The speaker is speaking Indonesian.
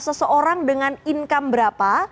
seseorang dengan income berapa